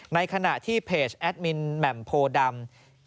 ในขณะที่เพจแอดมินแหม่มโพดำ